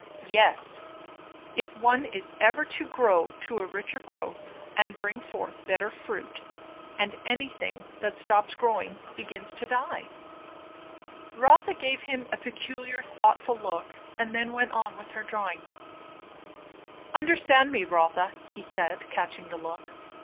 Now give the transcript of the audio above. "Yes; if one is ever to grow to a richer growth and bring forth better fruit. And anything that stops growing, begins to die." Rotha gave him a peculiar, thoughtful look, and then went on with her drawing. "Understand me, Rotha," he said, catching the look.